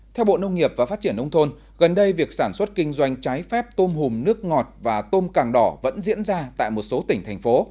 theo bộ nông nghiệp và phát triển nông thôn gần đây việc sản xuất kinh doanh trái phép tôm hùm nước ngọt và tôm càng đỏ vẫn diễn ra tại một số tỉnh thành phố